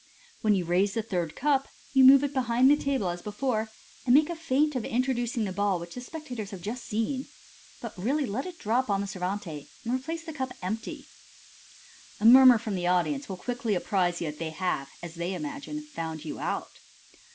When you raise the third cup, you move it behind the table as before, and make a feint of introducing the ball which the spectators have just seen, but really let it drop on the servante, and replace the cup empty. A murmur from the audience will quickly apprise you that they have, as they imagine, found you out.